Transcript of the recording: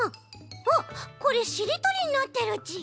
あっこれしりとりになってるち！